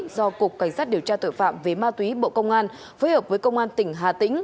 do cục cảnh sát điều tra tội phạm về ma túy bộ công an phối hợp với công an tỉnh hà tĩnh